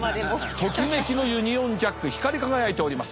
ときめきのユニオンジャック光り輝いております。